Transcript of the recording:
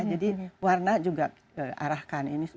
jadi warna juga diarahkan